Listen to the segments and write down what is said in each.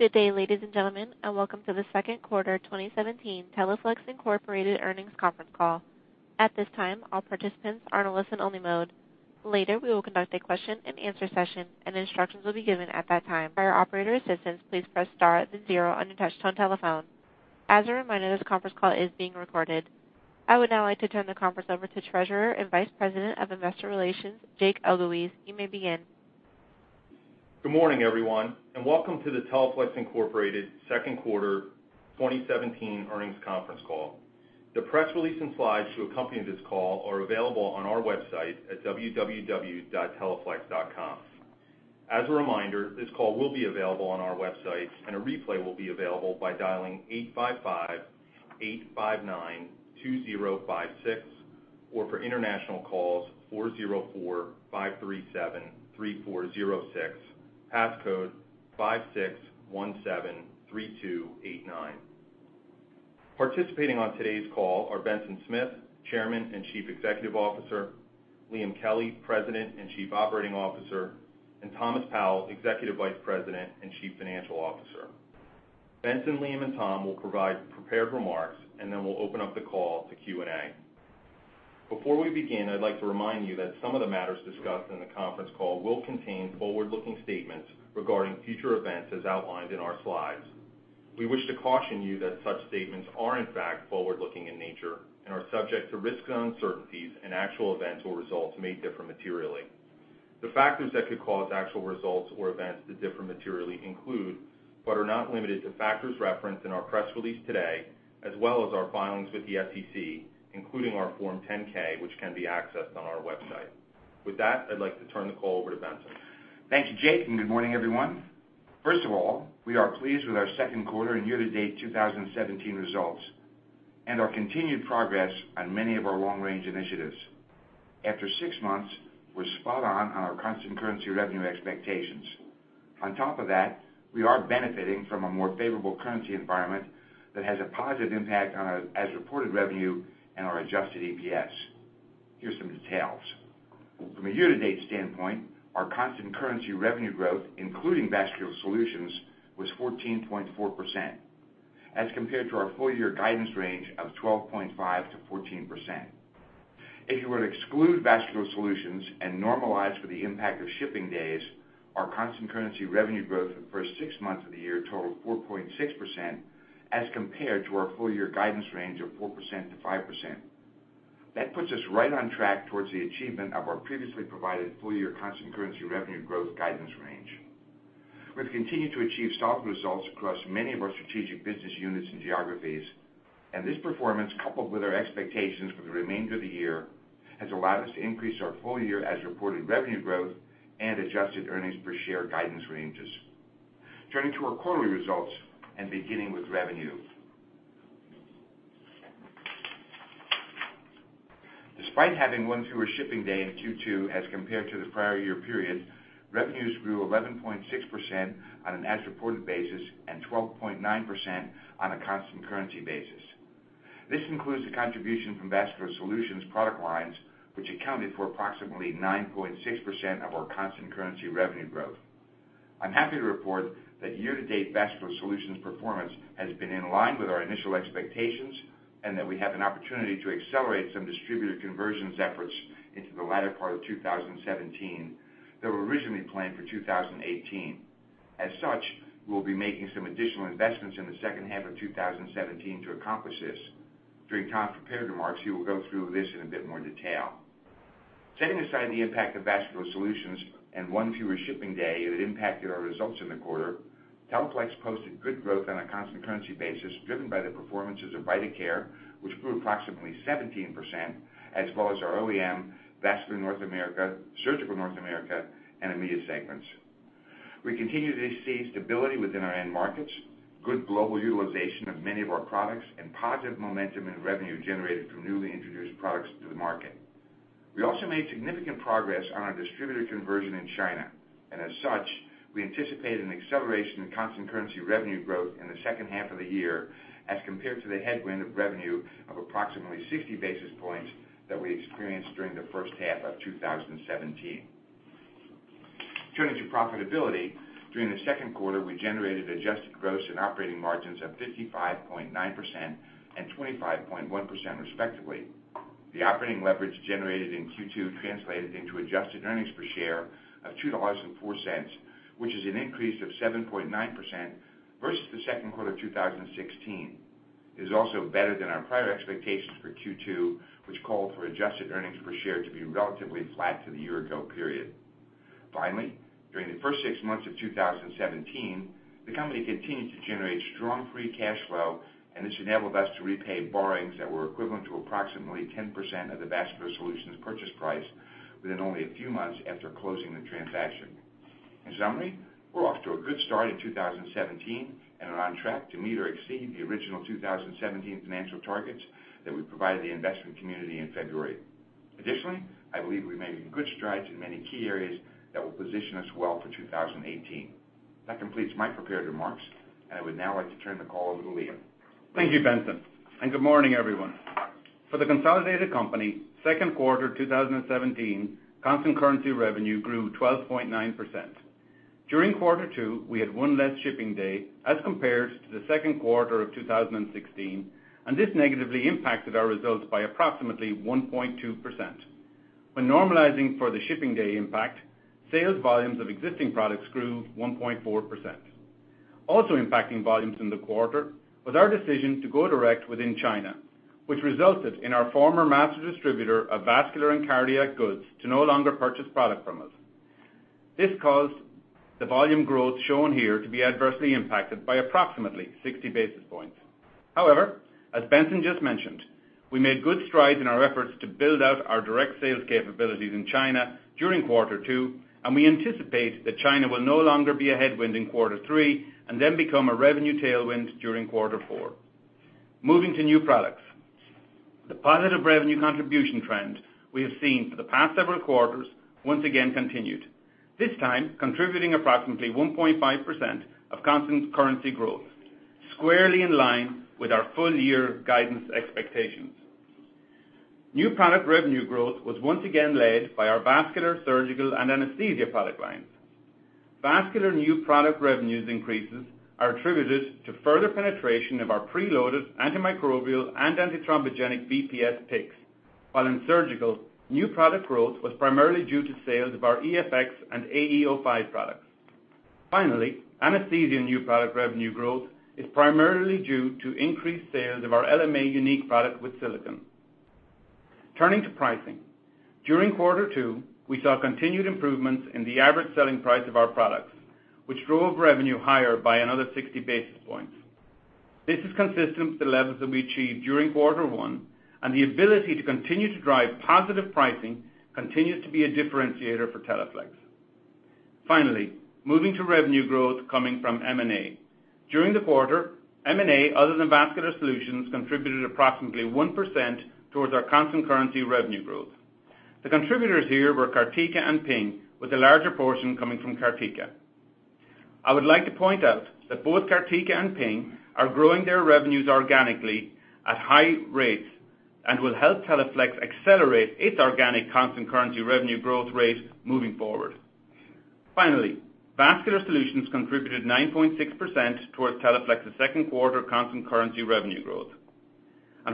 Good day, ladies and gentlemen, and welcome to the second quarter 2017 Teleflex Incorporated Earnings Conference Call. At this time, all participants are in listen only mode. Later, we will conduct a question and answer session, and instructions will be given at that time. By our operator assistance, please press star then zero on your touchtone telephone. As a reminder, this conference call is being recorded. I would now like to turn the conference over to Treasurer and Vice President of Investor Relations, Jake Elguicze. You may begin. Good morning, everyone, and welcome to the Teleflex Incorporated Second Quarter 2017 Earnings Conference Call. The press release and slides to accompany this call are available on our website at www.teleflex.com. As a reminder, this call will be available on our website, and a replay will be available by dialing 855-859-2056, or for international calls, 404-537-3406, passcode 56173289. Participating on today's call are Benson Smith, Chairman and Chief Executive Officer, Liam Kelly, President and Chief Operating Officer, and Thomas Powell, Executive Vice President and Chief Financial Officer. Benson, Liam, and Tom will provide prepared remarks, and then we'll open up the call to Q&A. Before we begin, I'd like to remind you that some of the matters discussed in the conference call will contain forward-looking statements regarding future events as outlined in our slides. We wish to caution you that such statements are in fact forward-looking in nature and are subject to risks and uncertainties. Actual events or results may differ materially. The factors that could cause actual results or events to differ materially include, but are not limited to, factors referenced in our press release today, as well as our filings with the SEC, including our Form 10-K, which can be accessed on our website. With that, I'd like to turn the call over to Benson. Thank you, Jake. Good morning, everyone. First of all, we are pleased with our second quarter and year-to-date 2017 results and our continued progress on many of our long-range initiatives. After six months, we're spot on our constant currency revenue expectations. On top of that, we are benefiting from a more favorable currency environment that has a positive impact on our as-reported revenue and our adjusted EPS. Here's some details. From a year-to-date standpoint, our constant currency revenue growth, including Vascular Solutions, was 14.4%, as compared to our full-year guidance range of 12.5%-14%. If you were to exclude Vascular Solutions and normalize for the impact of shipping days, our constant currency revenue growth for the first six months of the year totaled 4.6%, as compared to our full-year guidance range of 4%-5%. That puts us right on track towards the achievement of our previously provided full-year constant currency revenue growth guidance range. We've continued to achieve solid results across many of our strategic business units and geographies, and this performance, coupled with our expectations for the remainder of the year, has allowed us to increase our full-year as reported revenue growth and adjusted earnings per share guidance ranges. Turning to our quarterly results and beginning with revenue. Despite having one fewer shipping day in Q2 as compared to the prior year period, revenues grew 11.6% on an as-reported basis and 12.9% on a constant currency basis. This includes the contribution from Vascular Solutions product lines, which accounted for approximately 9.6% of our constant currency revenue growth. I'm happy to report that year-to-date Vascular Solutions performance has been in line with our initial expectations and that we have an opportunity to accelerate some distributor conversions efforts into the latter part of 2017 that were originally planned for 2018. We'll be making some additional investments in the second half of 2017 to accomplish this. During Tom's prepared remarks, he will go through this in a bit more detail. Setting aside the impact of Vascular Solutions and one fewer shipping day that impacted our results in the quarter, Teleflex posted good growth on a constant currency basis driven by the performances of Vidacare, which grew approximately 17%, as well as our OEM, Vascular North America, Surgical North America, and AMIA segments. We continue to see stability within our end markets, good global utilization of many of our products, and positive momentum in revenue generated from newly introduced products to the market. We also made significant progress on our distributor conversion in China, we anticipate an acceleration in constant currency revenue growth in the second half of the year as compared to the headwind of revenue of approximately 60 basis points that we experienced during the first half of 2017. Turning to profitability, during the second quarter, we generated adjusted gross and operating margins of 55.9% and 25.1% respectively. The operating leverage generated in Q2 translated into adjusted earnings per share of $2.04, which is an increase of 7.9% versus the second quarter of 2016. It is also better than our prior expectations for Q2, which called for adjusted earnings per share to be relatively flat to the year-ago period. During the first six months of 2017, the company continued to generate strong free cash flow, and this enabled us to repay borrowings that were equivalent to approximately 10% of the Vascular Solutions purchase price within only a few months after closing the transaction. We're off to a good start in 2017 and are on track to meet or exceed the original 2017 financial targets that we provided the investment community in February. I believe we've made good strides in many key areas that will position us well for 2018. That completes my prepared remarks, and I would now like to turn the call over to Liam. Thank you, Benson. Good morning, everyone. For the consolidated company, second quarter 2017 constant currency revenue grew 12.9%. During Q2, we had one less shipping day as compared to the second quarter of 2016. This negatively impacted our results by approximately 1.2%. When normalizing for the shipping day impact, sales volumes of existing products grew 1.4%. Also impacting volumes in the quarter was our decision to go direct within China, which resulted in our former master distributor of vascular and cardiac goods to no longer purchase product from us. This caused the volume growth shown here to be adversely impacted by approximately 60 basis points. As Benson just mentioned, we made good strides in our efforts to build out our direct sales capabilities in China during Q2. We anticipate that China will no longer be a headwind in Q3 and then become a revenue tailwind during Q4. Moving to new products. The positive revenue contribution trend we have seen for the past several quarters once again continued, this time contributing approximately 1.5% of constant currency growth, squarely in line with our full year guidance expectations. New product revenue growth was once again led by our vascular, surgical, and anesthesia product lines. Vascular new product revenues increases are attributed to further penetration of our preloaded antimicrobial and antithrombogenic BPS PICCs. While in surgical, new product growth was primarily due to sales of our EFX and AE05 products. Anesthesia new product revenue growth is primarily due to increased sales of our LMA unique product with Silicone. Turning to pricing. During Q2, we saw continued improvements in the average selling price of our products, which drove revenue higher by another 60 basis points. This is consistent with the levels that we achieved during Q1. The ability to continue to drive positive pricing continues to be a differentiator for Teleflex. Moving to revenue growth coming from M&A. During the quarter, M&A, other than Vascular Solutions, contributed approximately 1% towards our constant currency revenue growth. The contributors here were Cartica and Pyng, with a larger portion coming from Cartica. I would like to point out that both Cartica and Ping are growing their revenues organically at high rates and will help Teleflex accelerate its organic constant currency revenue growth rate moving forward. Vascular Solutions contributed 9.6% towards Teleflex's second quarter constant currency revenue growth.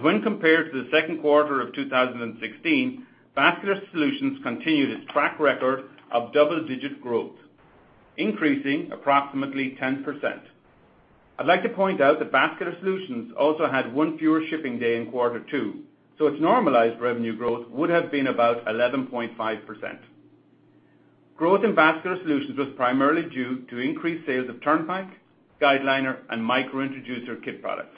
When compared to the second quarter of 2016, Vascular Solutions continued its track record of double-digit growth, increasing approximately 10%. I'd like to point out that Vascular Solutions also had one fewer shipping day in Q2, so its normalized revenue growth would have been about 11.5%. Growth in Vascular Solutions was primarily due to increased sales of Turnpike, GuideLiner, and Micro-Introducer kit products.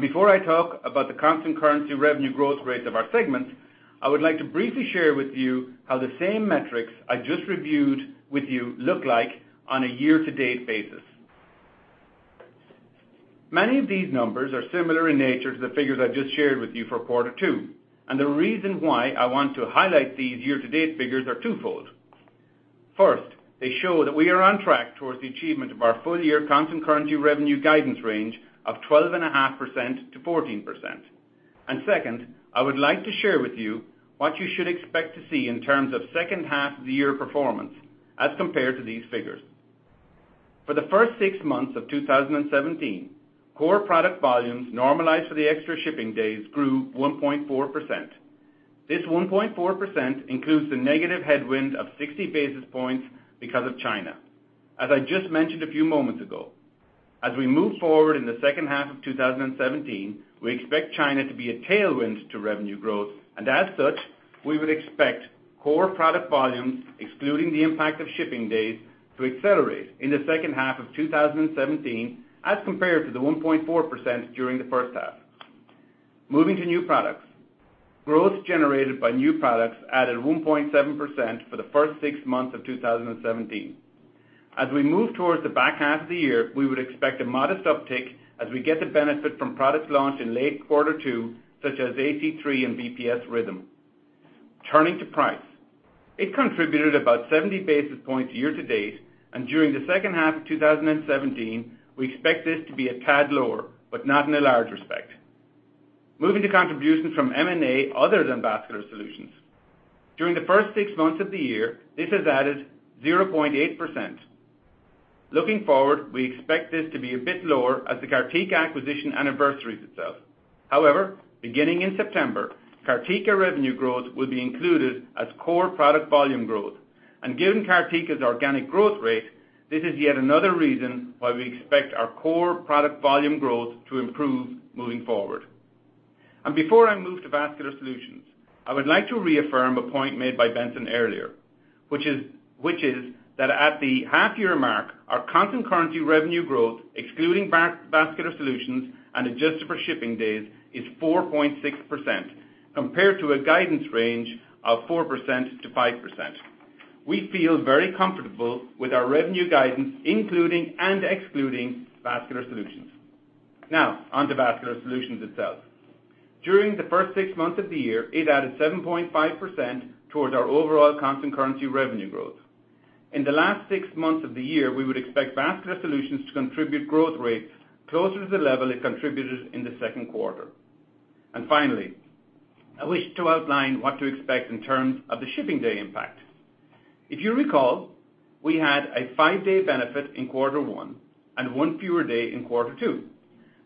Before I talk about the constant currency revenue growth rates of our segments, I would like to briefly share with you how the same metrics I just reviewed with you look like on a year-to-date basis. Many of these numbers are similar in nature to the figures I just shared with you for Q2. The reason why I want to highlight these year-to-date figures are twofold. First, they show that we are on track towards the achievement of our full-year constant currency revenue guidance range of 12.5%-14%. Second, I would like to share with you what you should expect to see in terms of second half of the year performance as compared to these figures. For the first six months of 2017, core product volumes normalized for the extra shipping days grew 1.4%. This 1.4% includes the negative headwind of 60 basis points because of China. As I just mentioned a few moments ago, as we move forward in the second half of 2017, we expect China to be a tailwind to revenue growth, as such, we would expect core product volumes, excluding the impact of shipping days, to accelerate in the second half of 2017 as compared to the 1.4% during the first half. Moving to new products. Growth generated by new products added 1.7% for the first six months of 2017. As we move towards the back half of the year, we would expect a modest uptick as we get the benefit from products launched in late Q2, such as AC3 and BPS Rhythm. Turning to price. It contributed about 70 basis points year to date, during the second half of 2017, we expect this to be a tad lower, but not in a large respect. Moving to contributions from M&A other than Vascular Solutions. During the first six months of the year, this has added 0.8%. Looking forward, we expect this to be a bit lower as the Cartica acquisition anniversaries itself. However, beginning in September, Cartica revenue growth will be included as core product volume growth. Given Cartica's organic growth rate, this is yet another reason why we expect our core product volume growth to improve moving forward. Before I move to Vascular Solutions, I would like to reaffirm a point made by Benson earlier, which is that at the half-year mark, our constant currency revenue growth, excluding Vascular Solutions and adjusted for shipping days, is 4.6% compared to a guidance range of 4%-5%. We feel very comfortable with our revenue guidance, including and excluding Vascular Solutions. Now, on to Vascular Solutions itself. During the first six months of the year, it added 7.5% towards our overall constant currency revenue growth. In the last six months of the year, we would expect Vascular Solutions to contribute growth rates closer to the level it contributed in the second quarter. Finally, I wish to outline what to expect in terms of the shipping day impact. If you recall, we had a five-day benefit in Q1 and one fewer day in Q2.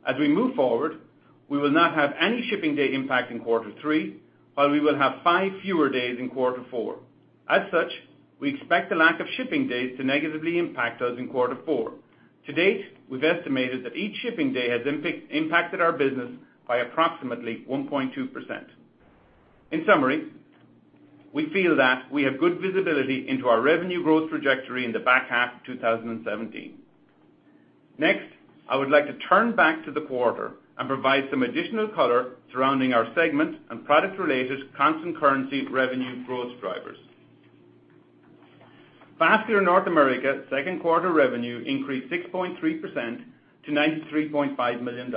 As we move forward, we will not have any shipping day impact in Q3, while we will have five fewer days in Q4. As such, we expect the lack of shipping days to negatively impact us in Q4. To date, we've estimated that each shipping day has impacted our business by approximately 1.2%. In summary, we feel that we have good visibility into our revenue growth trajectory in the back half of 2017. Next, I would like to turn back to the quarter and provide some additional color surrounding our segment and product-related constant currency revenue growth drivers. Vascular North America second quarter revenue increased 6.3% to $93.5 million.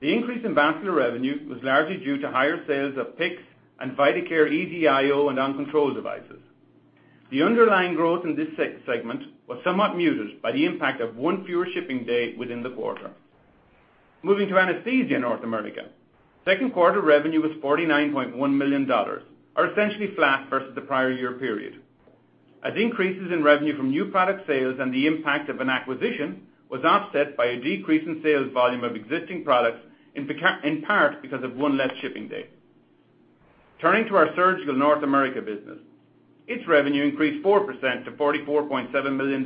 The increase in vascular revenue was largely due to higher sales of PICC and Vidacare EZ-IO and OnControl devices. The underlying growth in this segment was somewhat muted by the impact of one fewer shipping day within the quarter. Moving to anesthesia in North America, second quarter revenue was $49.1 million, or essentially flat versus the prior year period, as increases in revenue from new product sales and the impact of an acquisition was offset by a decrease in sales volume of existing products, in part because of one less shipping day. Turning to our surgical North America business, its revenue increased 4% to $44.7 million.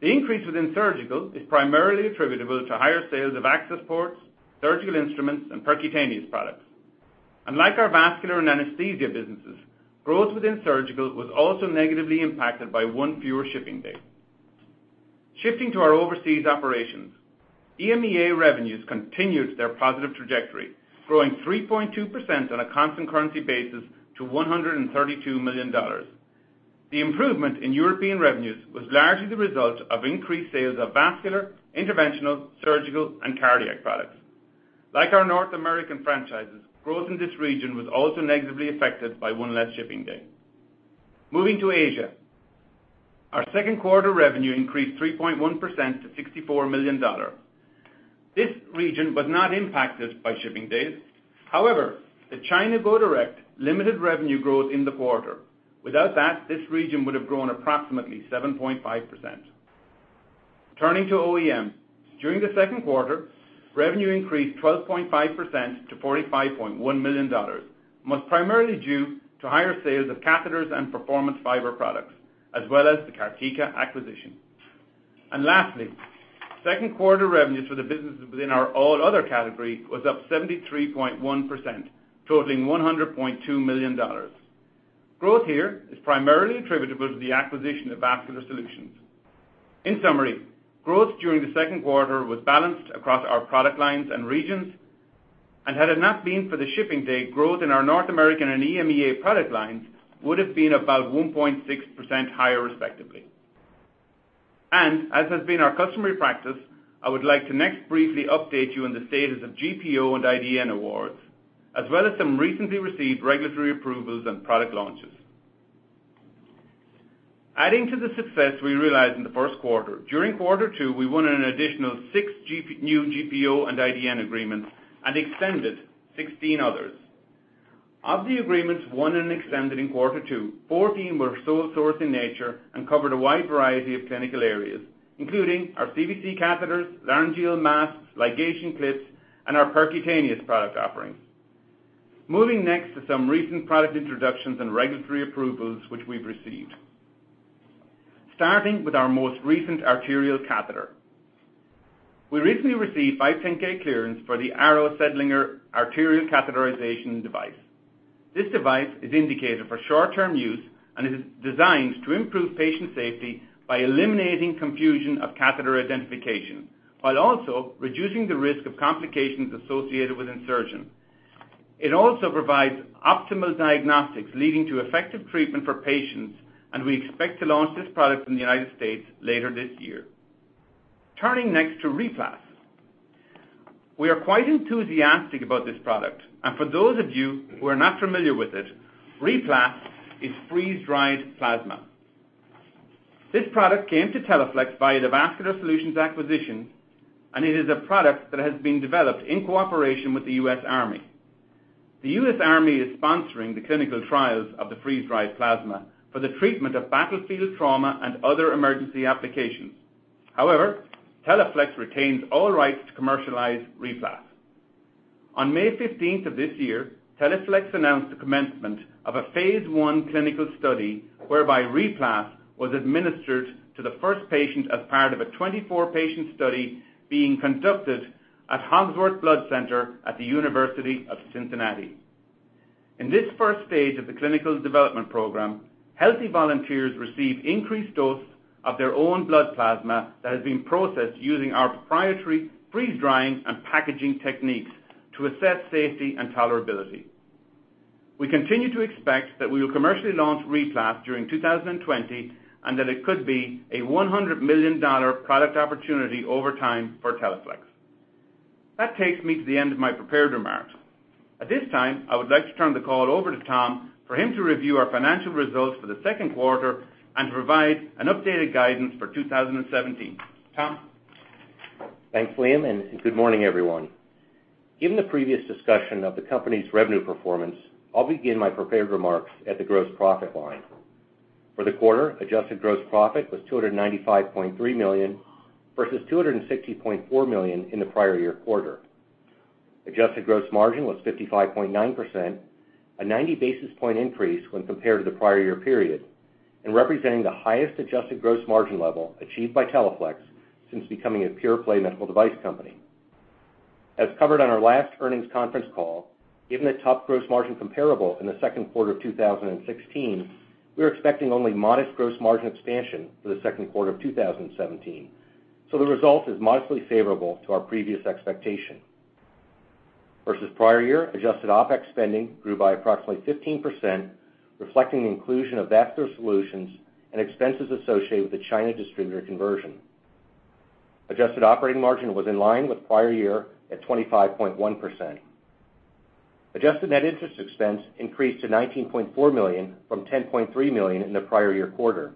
The increase within surgical is primarily attributable to higher sales of access ports, surgical instruments, and percutaneous products. Like our vascular and anesthesia businesses, growth within surgical was also negatively impacted by one fewer shipping day. Shifting to our overseas operations, EMEA revenues continued their positive trajectory, growing 3.2% on a constant currency basis to $132 million. The improvement in European revenues was largely the result of increased sales of vascular, interventional, surgical, and cardiac products. Like our North American franchises, growth in this region was also negatively affected by one less shipping day. Moving to Asia, our second quarter revenue increased 3.1% to $64 million. This region was not impacted by shipping days. However, the China go-direct limited revenue growth in the quarter. Without that, this region would have grown approximately 7.5%. Turning to OEM, during the second quarter, revenue increased 12.5% to $45.1 million, primarily due to higher sales of catheters and performance fiber products, as well as the Cartica acquisition. Lastly, second quarter revenues for the businesses within our all other category was up 73.1%, totaling $100.2 million. Growth here is primarily attributable to the acquisition of Vascular Solutions. In summary, growth during the second quarter was balanced across our product lines and regions, had it not been for the shipping day, growth in our North American and EMEA product lines would have been about 1.6% higher respectively. As has been our customary practice, I would like to next briefly update you on the status of GPO and IDN awards, as well as some recently received regulatory approvals and product launches. Adding to the success we realized in the first quarter, during Q2 we won an additional six new GPO and IDN agreements and extended 16 others. Of the agreements won and extended in Q2, 14 were sole source in nature and covered a wide variety of clinical areas, including our CVC catheters, laryngeal masks, ligation clips, and our percutaneous product offerings. Moving next to some recent product introductions and regulatory approvals which we've received. Starting with our most recent arterial catheter. We recently received 510 clearance for the Arrow Seldinger arterial catheterization device. This device is indicated for short-term use and is designed to improve patient safety by eliminating confusion of catheter identification, while also reducing the risk of complications associated with insertion. It also provides optimal diagnostics, leading to effective treatment for patients. We expect to launch this product in the U.S. later this year. Turning next to RePlas. We are quite enthusiastic about this product, and for those of you who are not familiar with it, RePlas is freeze-dried plasma. This product came to Teleflex via the Vascular Solutions acquisition, and it is a product that has been developed in cooperation with the U.S. Army. The U.S. Army is sponsoring the clinical trials of the freeze-dried plasma for the treatment of battlefield trauma and other emergency applications. Teleflex retains all rights to commercialize RePlas. On May 15th of this year, Teleflex announced the commencement of a phase I clinical study whereby RePlas was administered to the first patient as part of a 24-patient study being conducted at Hoxworth Blood Center at the University of Cincinnati. In this stage 1 of the clinical development program, healthy volunteers received increased dose of their own blood plasma that has been processed using our proprietary freeze-drying and packaging techniques to assess safety and tolerability. We continue to expect that we will commercially launch RePlas during 2020 and that it could be a $100 million product opportunity over time for Teleflex. That takes me to the end of my prepared remarks. At this time, I would like to turn the call over to Tom for him to review our financial results for the second quarter and provide an updated guidance for 2017. Tom? Thanks, Liam. Good morning, everyone. Given the previous discussion of the company's revenue performance, I'll begin my prepared remarks at the gross profit line. For the quarter, adjusted gross profit was $295.3 million, versus $260.4 million in the prior year quarter. Adjusted gross margin was 55.9%, a 90-basis point increase when compared to the prior year period and representing the highest adjusted gross margin level achieved by Teleflex since becoming a pure-play medical device company. As covered on our last earnings conference call, given the top gross margin comparable in the second quarter of 2016, we were expecting only modest gross margin expansion for the second quarter of 2017. The result is modestly favorable to our previous expectation. Versus prior year, adjusted OpEx spending grew by approximately 15%, reflecting the inclusion of Vascular Solutions and expenses associated with the China distributor conversion. Adjusted operating margin was in line with prior year at 25.1%. Adjusted net interest expense increased to $19.4 million from $10.3 million in the prior year quarter.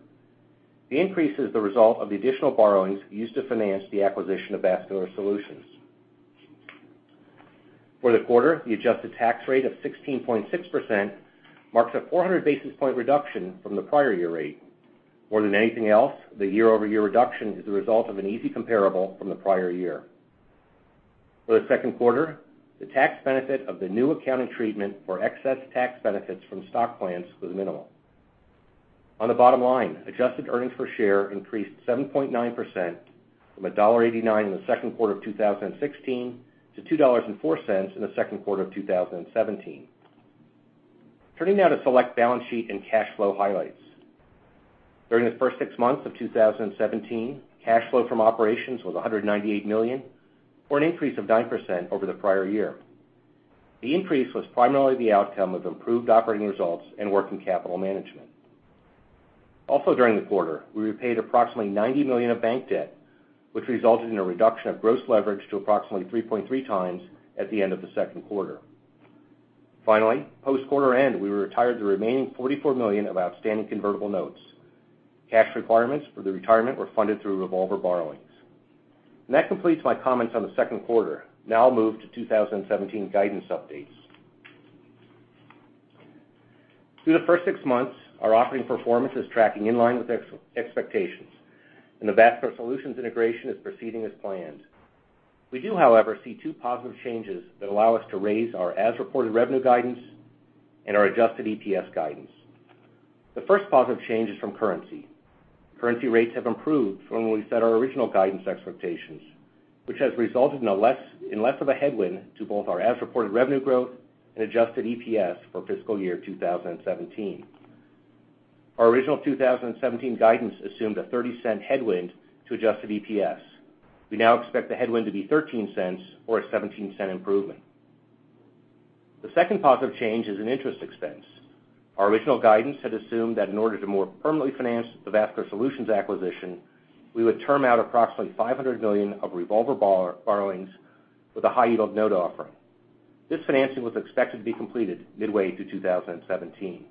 The increase is the result of the additional borrowings used to finance the acquisition of Vascular Solutions. For the quarter, the adjusted tax rate of 16.6% marks a 400-basis point reduction from the prior year rate. More than anything else, the year-over-year reduction is the result of an easy comparable from the prior year. For the second quarter, the tax benefit of the new accounting treatment for excess tax benefits from stock plans was minimal. On the bottom line, adjusted earnings per share increased 7.9% from $1.89 in the second quarter of 2016 to $2.04 in the second quarter of 2017. Turning now to select balance sheet and cash flow highlights. During the first six months of 2017, cash flow from operations was $198 million, or an increase of 9% over the prior year. The increase was primarily the outcome of improved operating results and working capital management. Also during the quarter, we repaid approximately $90 million of bank debt, which resulted in a reduction of gross leverage to approximately 3.3 times at the end of the second quarter. Finally, post quarter end, we retired the remaining $44 million of outstanding convertible notes. Cash requirements for the retirement were funded through revolver borrowings. That completes my comments on the second quarter. Now I'll move to 2017 guidance updates. Through the first six months, our operating performance is tracking in line with expectations, and the Vascular Solutions integration is proceeding as planned. We do, however, see two positive changes that allow us to raise our as-reported revenue guidance and our adjusted EPS guidance. The first positive change is from currency. Currency rates have improved from when we set our original guidance expectations, which has resulted in less of a headwind to both our as-reported revenue growth and adjusted EPS for fiscal year 2017. Our original 2017 guidance assumed a $0.30 headwind to adjusted EPS. We now expect the headwind to be $0.13 or a $0.17 improvement. The second positive change is in interest expense. Our original guidance had assumed that in order to more permanently finance the Vascular Solutions acquisition, we would term out approximately $500 million of revolver borrowings with a high-yield note offering. This financing was expected to be completed midway through 2017.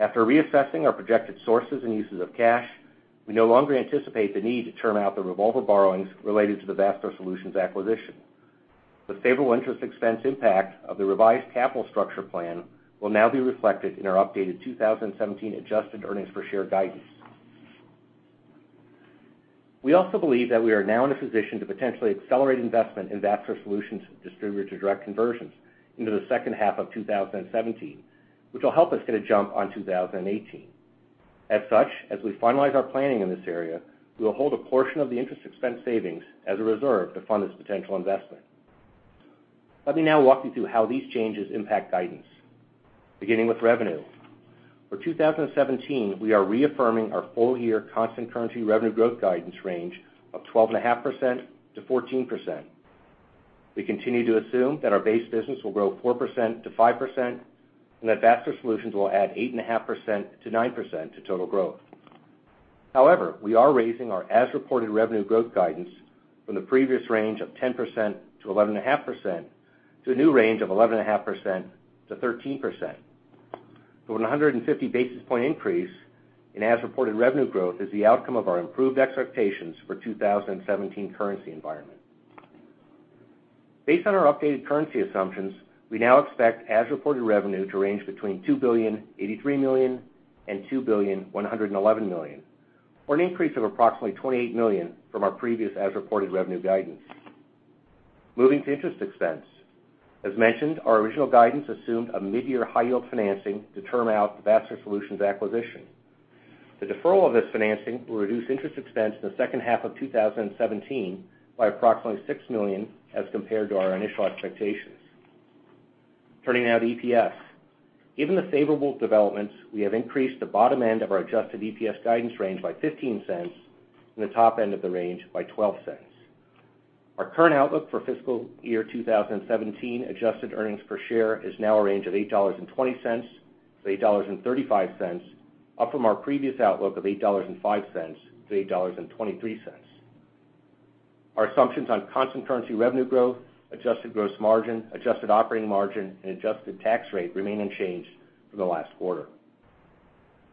After reassessing our projected sources and uses of cash, we no longer anticipate the need to term out the revolver borrowings related to the Vascular Solutions acquisition. The favorable interest expense impact of the revised capital structure plan will now be reflected in our updated 2017 adjusted earnings per share guidance. We also believe that we are now in a position to potentially accelerate investment in Vascular Solutions distributor direct conversions into the second half of 2017, which will help us get a jump on 2018. As such, as we finalize our planning in this area, we will hold a portion of the interest expense savings as a reserve to fund this potential investment. Let me now walk you through how these changes impact guidance. Beginning with revenue. For 2017, we are reaffirming our full-year constant currency revenue growth guidance range of 12.5% to 14%. We continue to assume that our base business will grow 4% to 5% and that Vascular Solutions will add 8.5% to 9% to total growth. However, we are raising our as-reported revenue growth guidance from the previous range of 10% to 11.5% to a new range of 11.5% to 13%. An 150-basis point increase in as-reported revenue growth is the outcome of our improved expectations for 2017 currency environment. Based on our updated currency assumptions, we now expect as-reported revenue to range between $2.083 billion and $2.111 billion, or an increase of approximately $28 million from our previous as-reported revenue guidance. Moving to interest expense. As mentioned, our original guidance assumed a mid-year high-yield financing to term out the Vascular Solutions acquisition. The deferral of this financing will reduce interest expense in the second half of 2017 by approximately $6 million as compared to our initial expectations. Turning now to EPS. Given the favorable developments, we have increased the bottom end of our adjusted EPS guidance range by $0.15 and the top end of the range by $0.12. Our current outlook for fiscal year 2017 adjusted earnings per share is now a range of $8.20 To $8.35, up from our previous outlook of $8.05 to $8.23. Our assumptions on constant currency revenue growth, adjusted gross margin, adjusted operating margin, and adjusted tax rate remain unchanged from the last quarter.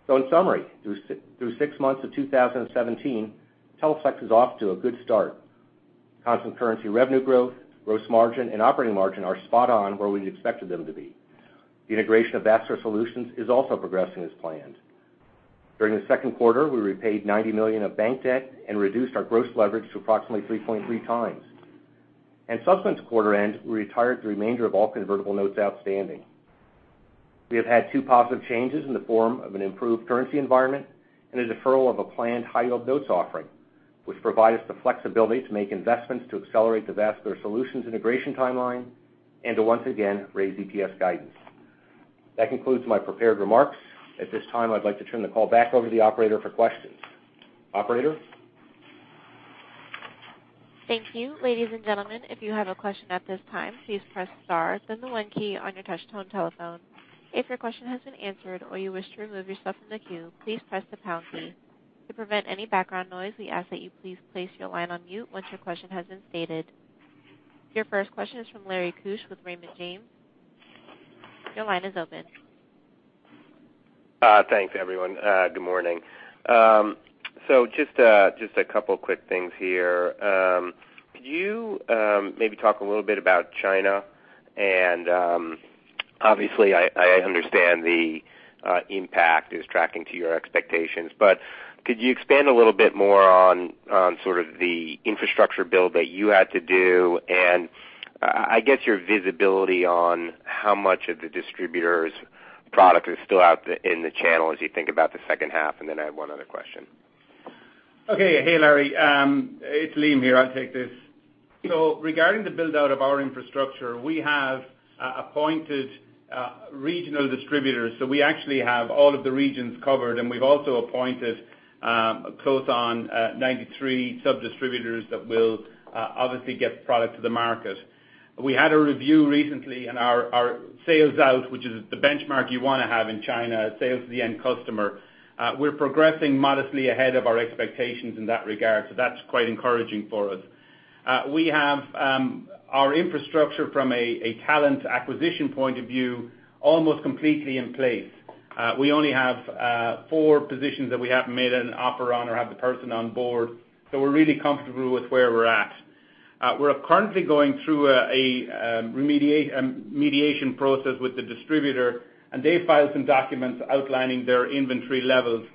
In summary, through six months of 2017, Teleflex is off to a good start. Constant currency revenue growth, gross margin, and operating margin are spot on where we expected them to be. The integration of Vascular Solutions is also progressing as planned. During the second quarter, we repaid $90 million of bank debt and reduced our gross leverage to approximately 3.3 times. Subsequent to quarter end, we retired the remainder of all convertible notes outstanding. We have had two positive changes in the form of an improved currency environment and a deferral of a planned high-yield notes offering, which provide us the flexibility to make investments to accelerate the Vascular Solutions integration timeline and to once again raise EPS guidance. That concludes my prepared remarks. At this time, I'd like to turn the call back over to the operator for questions. Operator? Thank you. Ladies and gentlemen, if you have a question at this time, please press star then the one key on your touch tone telephone. If your question has been answered or you wish to remove yourself from the queue, please press the pound key. To prevent any background noise, we ask that you please place your line on mute once your question has been stated. Your first question is from Larry Keusch with Raymond James. Your line is open. Thanks, everyone. Good morning. Just a couple quick things here. Could you maybe talk a little bit about China? Obviously, I understand the impact is tracking to your expectations, could you expand a little more on sort of the infrastructure build that you had to do and I guess your visibility on how much of the distributor's product is still out in the channel as you think about the second half? Then I have one other question. Okay. Hey, Larry. It's Liam here. I'll take this. Regarding the build-out of our infrastructure, we have appointed regional distributors. We actually have all of the regions covered, we've also appointed close on 93 sub-distributors that will obviously get the product to the market. We had a review recently, our sales out, which is the benchmark you want to have in China, sales to the end customer. We're progressing modestly ahead of our expectations in that regard. That's quite encouraging for us. We have our infrastructure from a talent acquisition point of view, almost completely in place. We only have four positions that we haven't made an offer on or have the person on board, we're really comfortable with where we're at. We're currently going through a mediation process with the distributor, they filed some documents outlining their inventory levels.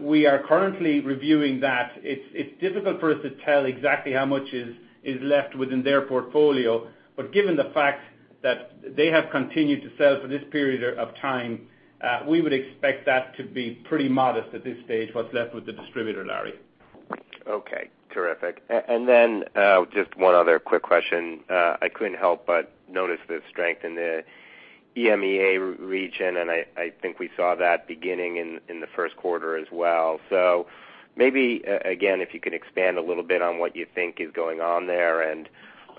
We are currently reviewing that. It's difficult for us to tell exactly how much is left within their portfolio. Given the fact that they have continued to sell for this period of time, we would expect that to be pretty modest at this stage, what's left with the distributor, Larry. Okay. Terrific. Just one other quick question. I couldn't help but notice the strength in the EMEA region, and I think we saw that beginning in the first quarter as well. Maybe, again, if you could expand a little bit on what you think is going on there and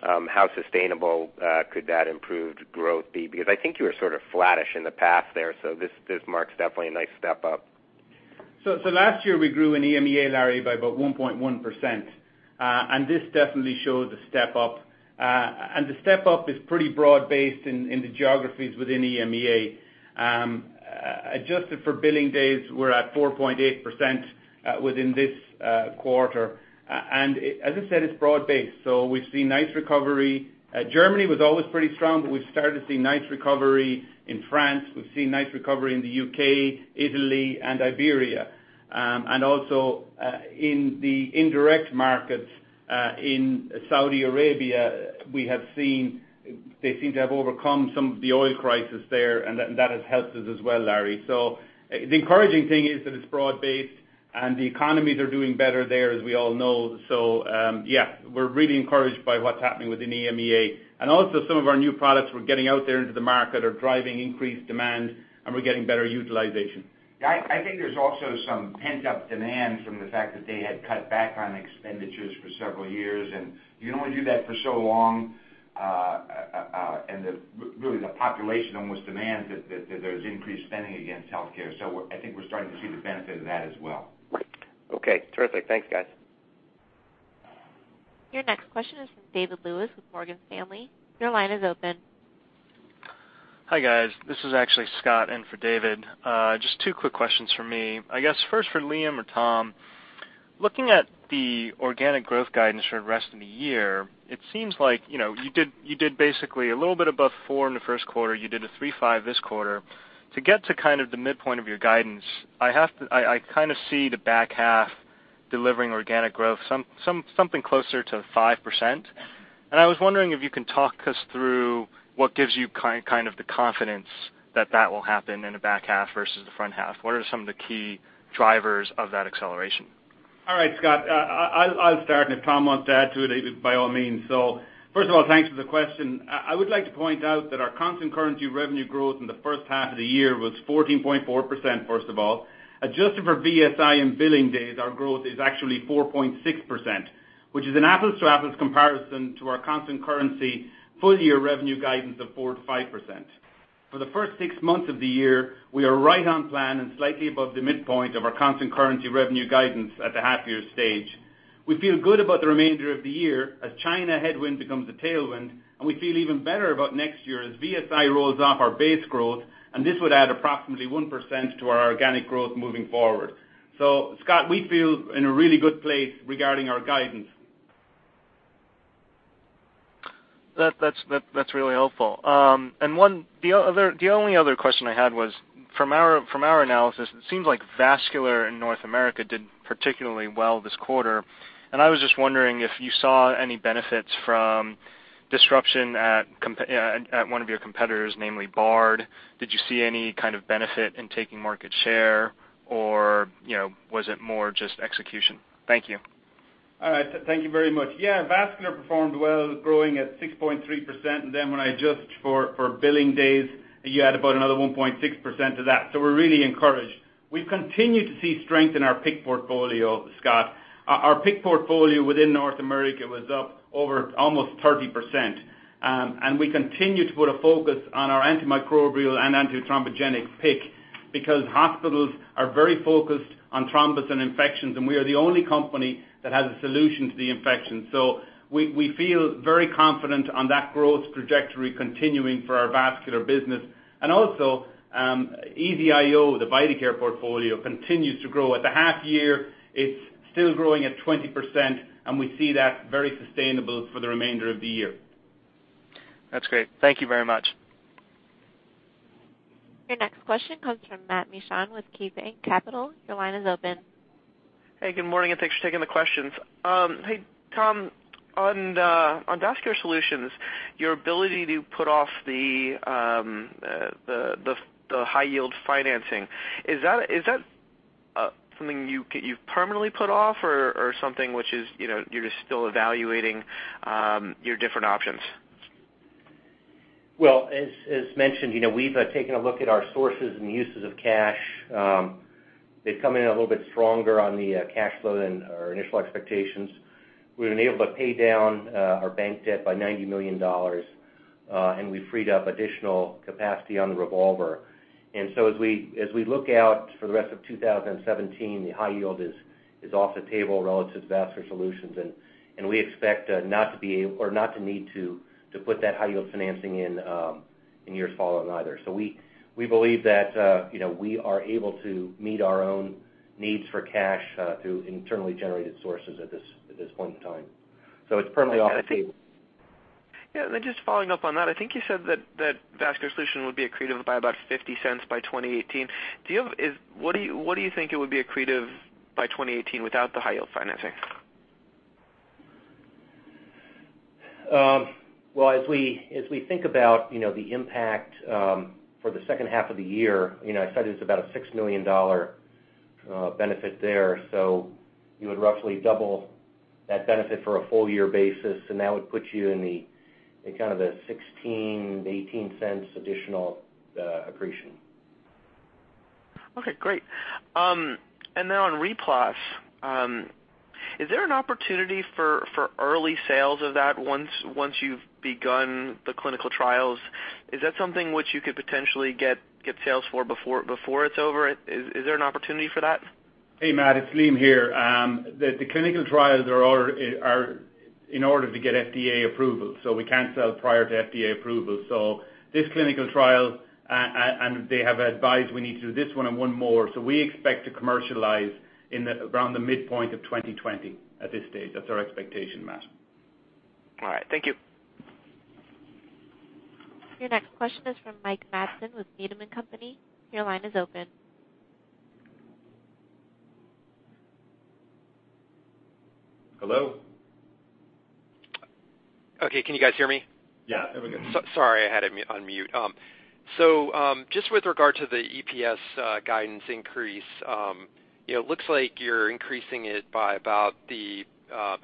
how sustainable could that improved growth be? Because I think you were sort of flattish in the past there, this marks definitely a nice step up. Last year, we grew in EMEA, Larry, by about 1.1%, and this definitely shows a step up. The step up is pretty broad-based in the geographies within EMEA. Adjusted for billing days, we're at 4.8% within this quarter. As I said, it's broad based. We've seen nice recovery. Germany was always pretty strong, but we've started to see nice recovery in France. We've seen nice recovery in the U.K., Italy, and Iberia. Also, in the indirect markets, in Saudi Arabia, they seem to have overcome some of the oil crisis there, and that has helped us as well, Larry. The encouraging thing is that it's broad based and the economies are doing better there, as we all know. Yeah, we're really encouraged by what's happening within EMEA. Also some of our new products we're getting out there into the market are driving increased demand, and we're getting better utilization. Yeah, I think there's also some pent-up demand from the fact that they had cut back on expenditures for several years, and you can only do that for so long. Really the population almost demands that there's increased spending against healthcare. I think we're starting to see the benefit of that as well. Okay, terrific. Thanks, guys. Your next question is from David Lewis with Morgan Stanley. Your line is open. Hi, guys. This is actually Scott in for David. Just two quick questions from me. I guess first for Liam or Tom, looking at the organic growth guidance for the rest of the year, it seems like you did basically a little bit above four in the first quarter. You did a 3.5% this quarter. To get to kind of the midpoint of your guidance, I kind of see the back half delivering organic growth, something closer to 5%. I was wondering if you can talk us through what gives you kind of the confidence that that will happen in the back half versus the front half. What are some of the key drivers of that acceleration? All right, Scott. I'll start. If Tom wants to add to it, by all means. First of all, thanks for the question. I would like to point out that our constant currency revenue growth in the first half of the year was 14.4%, first of all. Adjusted for VSI and billing days, our growth is actually 4.6%. Which is an apples-to-apples comparison to our constant currency full-year revenue guidance of 4%-5%. For the first six months of the year, we are right on plan and slightly above the midpoint of our constant currency revenue guidance at the half-year stage. We feel good about the remainder of the year as China headwind becomes a tailwind. We feel even better about next year as VSI rolls off our base growth. This would add approximately 1% to our organic growth moving forward. Scott, we feel in a really good place regarding our guidance. That's really helpful. The only other question I had was, from our analysis, it seems like Vascular in North America did particularly well this quarter. I was just wondering if you saw any benefits from disruption at one of your competitors, namely Bard. Did you see any kind of benefit in taking market share, or was it more just execution? Thank you. All right. Thank you very much. Vascular performed well, growing at 6.3%, then when I adjust for billing days, you add about another 1.6% to that. We're really encouraged. We've continued to see strength in our PICC portfolio, Scott. Our PICC portfolio within North America was up over almost 30%, and we continue to put a focus on our antimicrobial and antithrombogenic PICC because hospitals are very focused on thrombus and infections, and we are the only company that has a solution to the infection. We feel very confident on that growth trajectory continuing for our Vascular business. Also, EZ-IO, the Vidacare portfolio, continues to grow. At the half year, it's still growing at 20%, and we see that very sustainable for the remainder of the year. That's great. Thank you very much. Your next question comes from Matt Mishan with KeyBanc Capital. Your line is open. Hey, good morning, and thanks for taking the questions. Hey, Tom, on Vascular Solutions, your ability to put off the high yield financing, is that something you've permanently put off or something which you're just still evaluating your different options? Well, as mentioned, we've taken a look at our sources and uses of cash. They've come in a little bit stronger on the cash flow than our initial expectations. We've been able to pay down our bank debt by $90 million. We freed up additional capacity on the revolver. As we look out for the rest of 2017, the high yield is off the table relative to Vascular Solutions, and we expect not to need to put that high yield financing in years following either. We believe that we are able to meet our own needs for cash through internally generated sources at this point in time. It's permanently off the table. Yeah, just following up on that, I think you said that Vascular Solutions would be accretive by about $0.50 by 2018. What do you think it would be accretive by 2018 without the high yield financing? Well, as we think about the impact for the second half of the year, I said it's about a $6 million benefit there. You would roughly double that benefit for a full-year basis, and that would put you in the kind of the $0.16-$0.18 additional accretion. Okay, great. On RePlas, is there an opportunity for early sales of that once you've begun the clinical trials? Is that something which you could potentially get sales for before it's over? Is there an opportunity for that? Hey, Matt, it's Liam here. The clinical trials are in order to get FDA approval. We can't sell prior to FDA approval. This clinical trial, and they have advised we need to do this one and one more. We expect to commercialize around the midpoint of 2020 at this stage. That's our expectation, Matt. All right. Thank you. Your next question is from Mike Matson with Needham & Company. Your line is open. Hello? Okay. Can you guys hear me? Yeah. Everything good. Sorry, I had it on mute. Just with regard to the EPS guidance increase, it looks like you're increasing it by about the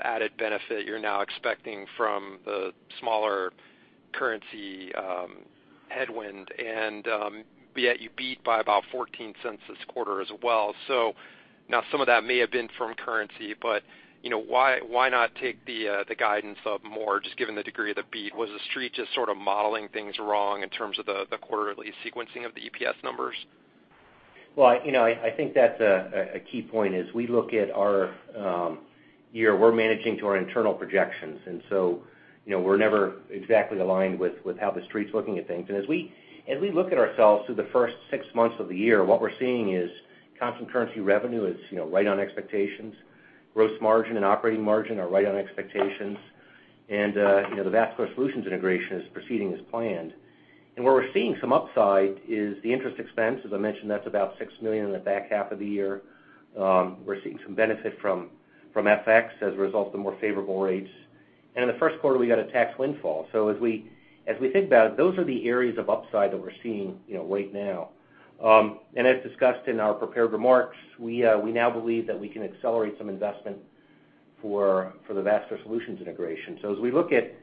added benefit you're now expecting from the smaller currency headwind, and yet you beat by about $0.14 this quarter as well. Now some of that may have been from currency, but why not take the guidance up more, just given the degree of the beat? Was The Street just sort of modeling things wrong in terms of the quarterly sequencing of the EPS numbers? Well, I think that's a key point. As we look at our year, we're managing to our internal projections. We're never exactly aligned with how The Street's looking at things. As we look at ourselves through the first six months of the year, what we're seeing is constant currency revenue is right on expectations. Gross margin and operating margin are right on expectations. The Vascular Solutions integration is proceeding as planned. Where we're seeing some upside is the interest expense. As I mentioned, that's about $6 million in the back half of the year. We're seeing some benefit from FX as a result of the more favorable rates. In the first quarter, we got a tax windfall. As we think about it, those are the areas of upside that we're seeing right now. As discussed in our prepared remarks, we now believe that we can accelerate some investment for the Vascular Solutions integration. As we look at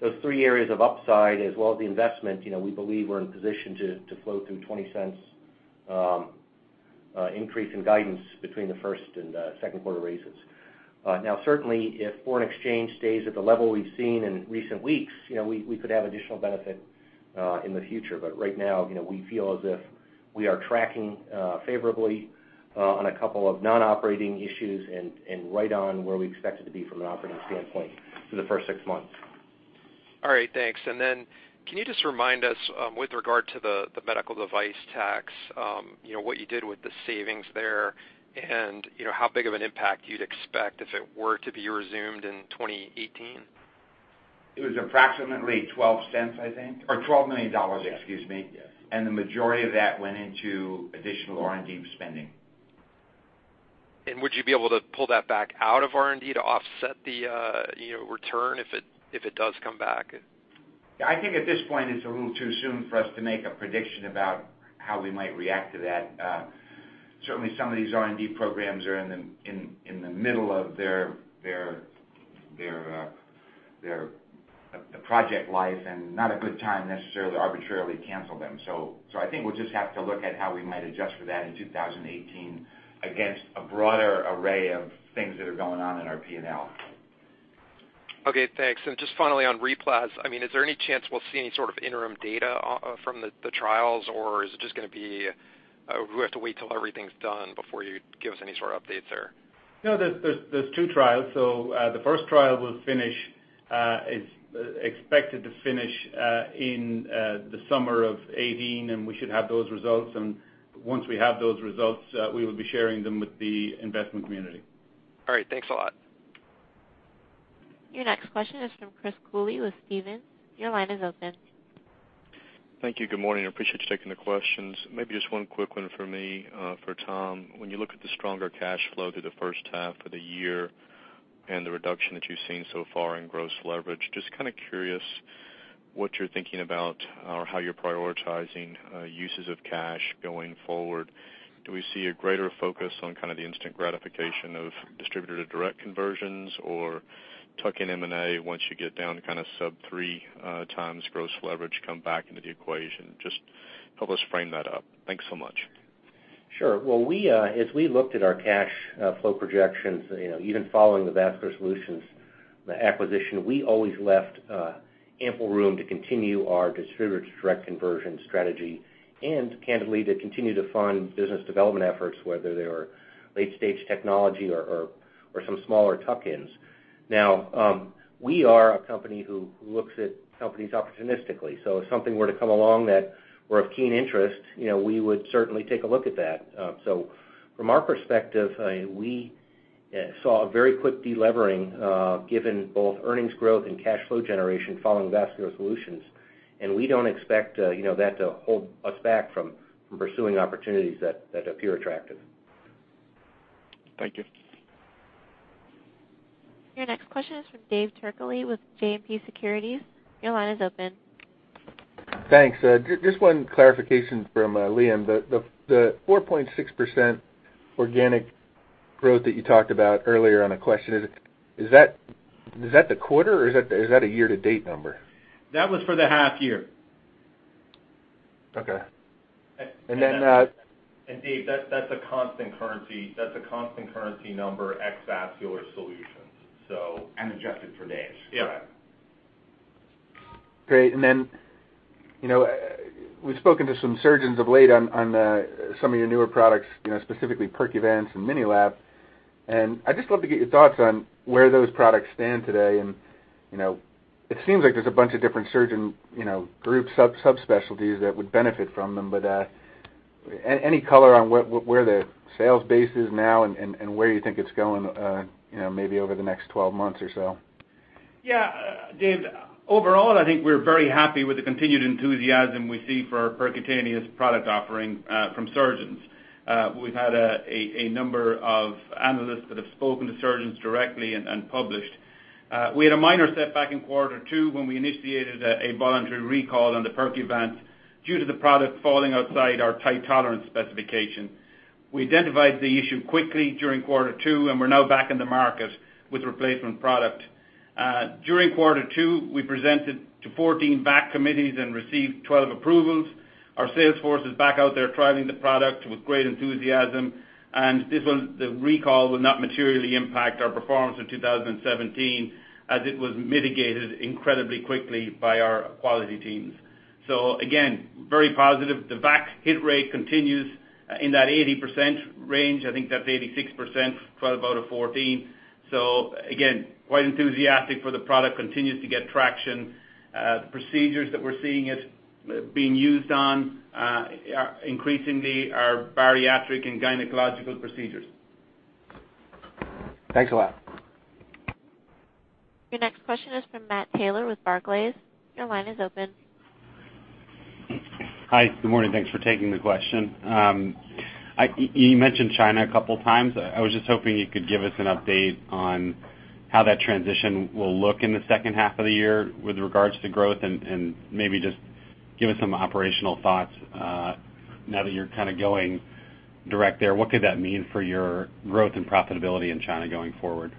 those three areas of upside as well as the investment, we believe we're in a position to flow through $0.20 increase in guidance between the first and second quarter raises. Certainly, if foreign exchange stays at the level we've seen in recent weeks, we could have additional benefit in the future. Right now, we feel as if we are tracking favorably on a couple of non-operating issues and right on where we expect it to be from an operating standpoint for the first six months. All right, thanks. Can you just remind us with regard to the medical device tax, what you did with the savings there and how big of an impact you'd expect if it were to be resumed in 2018? It was approximately $0.12, I think, or $12 million, excuse me. Yes. The majority of that went into additional R&D spending. Would you be able to pull that back out of R&D to offset the return if it does come back? I think at this point, it's a little too soon for us to make a prediction about how we might react to that. Certainly, some of these R&D programs are in the middle of their project life and not a good time necessarily to arbitrarily cancel them. I think we'll just have to look at how we might adjust for that in 2018 against a broader array of things that are going on in our P&L. Okay, thanks. Just finally on RePlas, is there any chance we'll see any sort of interim data from the trials, or is it just going to be we have to wait till everything's done before you give us any sort of updates there? No, there's two trials. The first trial is expected to finish in the summer of 2018, and we should have those results. Once we have those results, we will be sharing them with the investment community. All right. Thanks a lot. Your next question is from Chris Cooley with Stephens. Your line is open. Thank you. Good morning. I appreciate you taking the questions. Maybe just one quick one for me for Tom. When you look at the stronger cash flow through the first half of the year and the reduction that you've seen so far in gross leverage, just kind of curious what you're thinking about or how you're prioritizing uses of cash going forward. Do we see a greater focus on kind of the instant gratification of distributor-to-direct conversions, or tuck-in M&A once you get down to kind of sub three times gross leverage come back into the equation? Just help us frame that up. Thanks so much. Sure. Well, as we looked at our cash flow projections, even following the Vascular Solutions acquisition, we always left ample room to continue our distributor-to-direct conversion strategy and, candidly, to continue to fund business development efforts, whether they are late-stage technology or some smaller tuck-ins. We are a company who looks at companies opportunistically. If something were to come along that were of keen interest, we would certainly take a look at that. From our perspective, we saw a very quick de-levering given both earnings growth and cash flow generation following Vascular Solutions, and we don't expect that to hold us back from pursuing opportunities that appear attractive. Thank you. Your next question is from David Turkaly with JMP Securities. Your line is open. Thanks. Just one clarification from Liam. The 4.6% organic growth that you talked about earlier on a question, is that the quarter or is that a year-to-date number? That was for the half year. Okay. Dave, that's a constant currency number ex Vascular Solutions. Adjusted for days. Yeah. Okay, we've spoken to some surgeons of late on some of your newer products, specifically Percuvance and MiniLap. I'd just love to get your thoughts on where those products stand today. Any color on where the sales base is now and where you think it's going maybe over the next 12 months or so? Yeah. Dave, overall, I think we're very happy with the continued enthusiasm we see for our percutaneous product offering from surgeons. We've had a number of analysts that have spoken to surgeons directly and published. We had a minor setback in quarter two when we initiated a voluntary recall on the Percuvance due to the product falling outside our tight tolerance specification. We identified the issue quickly during quarter two. We're now back in the market with replacement product. During quarter two, we presented to 14 VAC committees and received 12 approvals. Our sales force is back out there trialing the product with great enthusiasm. The recall will not materially impact our performance in 2017 as it was mitigated incredibly quickly by our quality teams. Again, very positive. The VAC hit rate continues in that 80% range. I think that's 86%, 12 out of 14. Again, quite enthusiastic for the product, continues to get traction. Procedures that we're seeing it being used on increasingly are bariatric and gynecological procedures. Thanks a lot. Your next question is from Matthew Taylor with Barclays. Your line is open. Hi, good morning. Thanks for taking the question. You mentioned China a couple times. I was just hoping you could give us an update on how that transition will look in the second half of the year with regards to growth and maybe just give us some operational thoughts now that you're kind of going direct there. What could that mean for your growth and profitability in China going forward?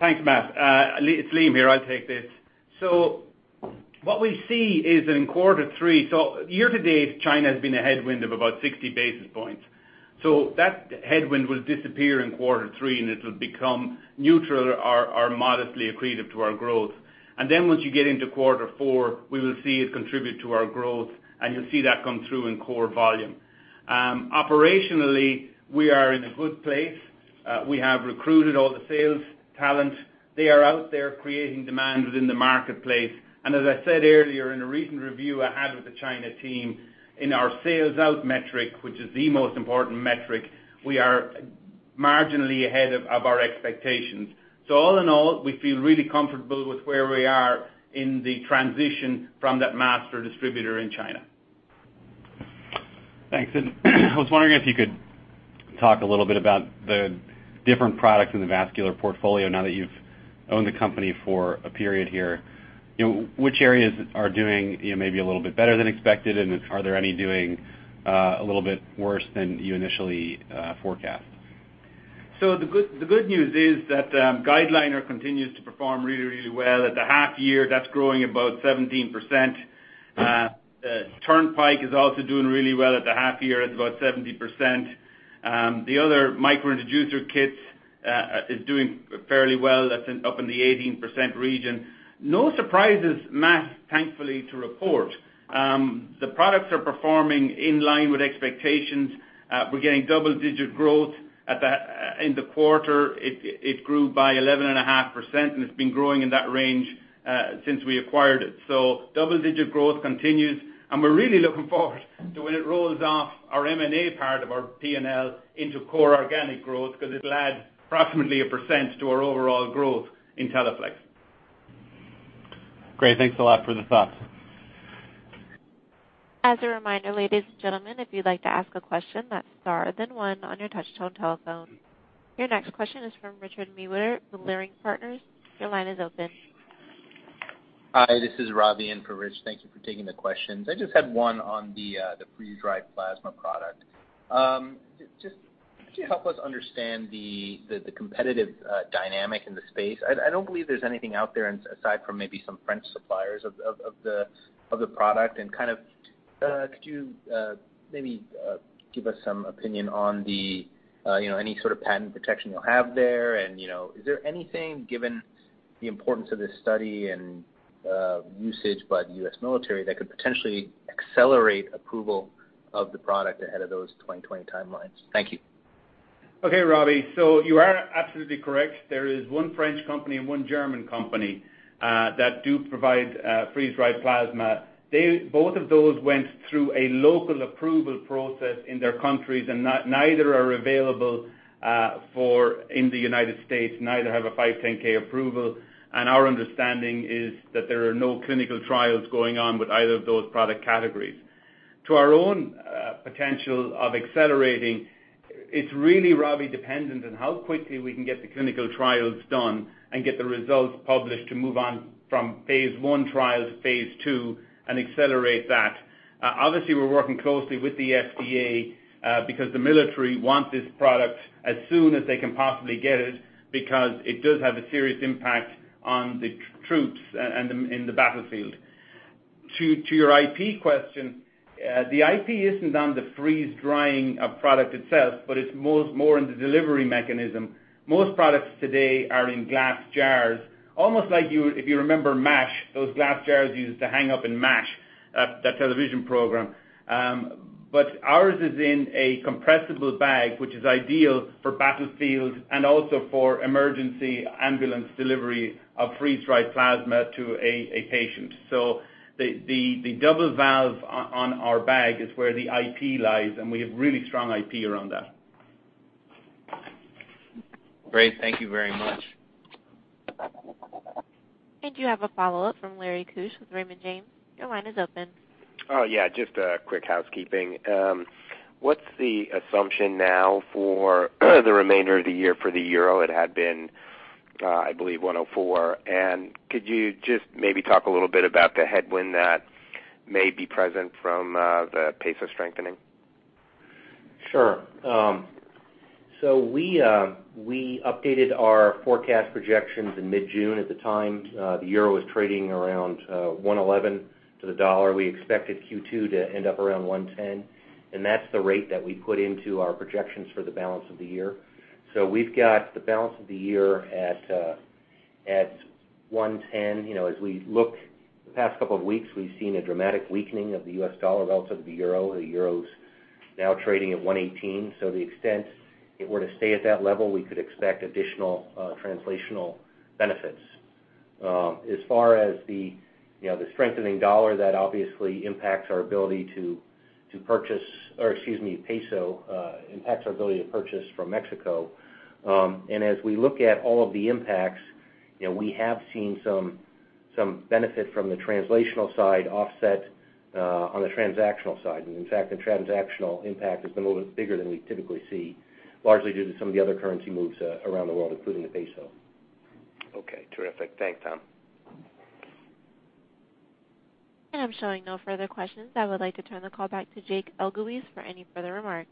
Thanks, Matt. It's Liam here. I'll take this. What we see is that in quarter three, year-to-date, China has been a headwind of about 60 basis points. That headwind will disappear in quarter three, and it'll become neutral or modestly accretive to our growth. Then once you get into quarter four, we will see it contribute to our growth, and you'll see that come through in core volume. Operationally, we are in a good place. We have recruited all the sales talent. They are out there creating demand within the marketplace. As I said earlier in a recent review I had with the China team in our sales out metric, which is the most important metric, we are marginally ahead of our expectations. All in all, we feel really comfortable with where we are in the transition from that master distributor in China. Thanks. I was wondering if you could talk a little bit about the different products in the vascular portfolio now that you've owned the company for a period here. Which areas are doing maybe a little bit better than expected, and are there any doing a little bit worse than you initially forecast? The good news is that GuideLiner continues to perform really well. At the half-year, that's growing about 17%. Turnpike is also doing really well at the half-year at about 17%. The other Micro-Introducer kits is doing fairly well. That's up in the 18% region. No surprises, Matt, thankfully to report. The products are performing in line with expectations. We're getting double-digit growth. In the quarter, it grew by 11.5%, and it's been growing in that range since we acquired it. Double-digit growth continues, and we're really looking forward to when it rolls off our M&A part of our P&L into core organic growth because it'll add approximately a percent to our overall growth in Teleflex. Great. Thanks a lot for the thoughts. As a reminder, ladies and gentlemen, if you'd like to ask a question, that's star then one on your touch-tone telephone. Your next question is from Richard Newitter with Leerink Partners. Your line is open. Hi, this is Ravi in for Rich. Thank you for taking the questions. I just had one on the freeze-dried plasma product. Could you help us understand the competitive dynamic in the space? I don't believe there's anything out there aside from maybe some French suppliers of the product. Could you maybe give us some opinion on any sort of patent protection you'll have there? Is there anything, given the importance of this study and usage by the U.S. military, that could potentially accelerate approval of the product ahead of those 2020 timelines? Thank you. Okay, Ravi. You are absolutely correct. There is one French company and one German company that do provide freeze-dried plasma. Both of those went through a local approval process in their countries, and neither are available in the U.S. Neither have a 510 approval. Our understanding is that there are no clinical trials going on with either of those product categories. To our own potential of accelerating, it is really, Ravi, dependent on how quickly we can get the clinical trials done and get the results published to move on from phase I trials to phase II and accelerate that. Obviously, we are working closely with the FDA because the military wants this product as soon as they can possibly get it because it does have a serious impact on the troops and in the battlefield. To your IP question, the IP isn't on the freeze-drying of product itself, but it's more in the delivery mechanism. Most products today are in glass jars, almost like if you remember "M*A*S*H," those glass jars used to hang up in "M*A*S*H," that television program. Ours is in a compressible bag, which is ideal for battlefields and also for emergency ambulance delivery of freeze-dried plasma to a patient. The double valve on our bag is where the IP lies, and we have really strong IP around that. Great. Thank you very much. You have a follow-up from Larry Keusch with Raymond James. Your line is open. Oh, yeah, just a quick housekeeping. What's the assumption now for the remainder of the year for the euro? It had been, I believe, 104. Could you just maybe talk a little bit about the headwind that may be present from the peso strengthening? Sure. We updated our forecast projections in mid-June. At the time, the euro was trading around 111 to the dollar. We expected Q2 to end up around 110, and that's the rate that we put into our projections for the balance of the year. We've got the balance of the year at 110. As we look the past couple of weeks, we've seen a dramatic weakening of the US dollar relative to the euro. The euro's now trading at 118. The extent it were to stay at that level, we could expect additional translational benefits. As far as the strengthening dollar, that obviously impacts our ability to purchase, or excuse me, peso impacts our ability to purchase from Mexico. As we look at all of the impacts, we have seen some benefit from the translational side offset on the transactional side. In fact, the transactional impact has been a little bit bigger than we typically see, largely due to some of the other currency moves around the world, including the peso. Okay, terrific. Thanks, Tom. I'm showing no further questions. I would like to turn the call back to Jake Elguicze for any further remarks.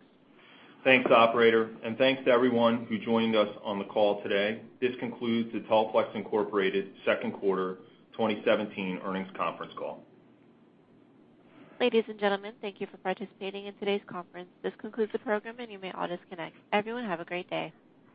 Thanks, operator, and thanks to everyone who joined us on the call today. This concludes the Teleflex Incorporated second quarter 2017 earnings conference call. Ladies and gentlemen, thank you for participating in today's conference. This concludes the program, and you may all disconnect. Everyone, have a great day.